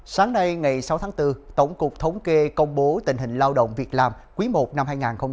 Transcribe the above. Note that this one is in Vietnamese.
sáng nay ngày sáu tháng bốn tổng cục thống kê công bố tình hình lao động việc làm quý i năm hai nghìn hai mươi bốn